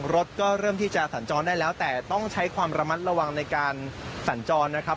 รถก็เริ่มที่จะสัญจรได้แล้วแต่ต้องใช้ความระมัดระวังในการสัญจรนะครับ